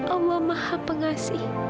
allah maha pengasih